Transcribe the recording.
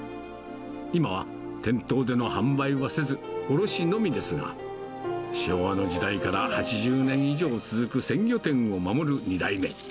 今は店頭での販売はせず、卸のみですが、昭和の時代から８０年以上続く鮮魚店を守る２代目。